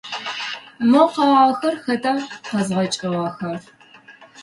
Мо къэгъагъэхэр хэта къэзгъэкӏыгъэхэр?